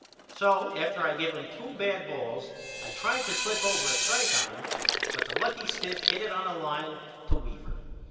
So after I give him two bad balls I tried to slip over a strike on him but the lucky stiff hit it on a line to Weaver.